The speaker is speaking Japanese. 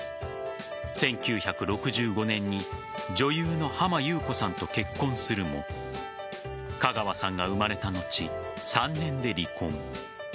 １９６５年に女優の浜木綿子さんと結婚するも香川さんが生まれた後３年で離婚。